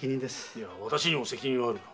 いや私にも責任がある。